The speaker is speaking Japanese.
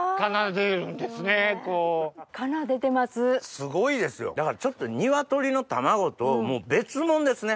すごいですよだからちょっとニワトリの卵ともう別もんですね。